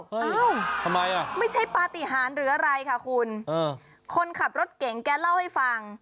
ทำไมอ่ะไม่ใช่ปฏิหารหรืออะไรค่ะคุณคนขับรถเก่งแกเล่าให้ฟัง